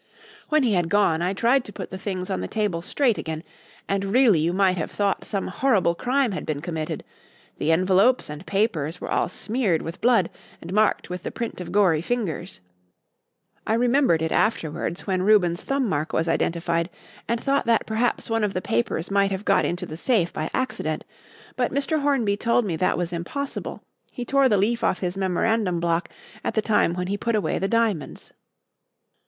"When he had gone I tried to put the things on the table straight again, and really you might have thought some horrible crime had been committed; the envelopes and papers were all smeared with blood and marked with the print of gory fingers. I remembered it afterwards, when Reuben's thumb mark was identified, and thought that perhaps one of the papers might have got into the safe by accident; but Mr. Hornby told me that was impossible; he tore the leaf off his memorandum block at the time when he put away the diamonds."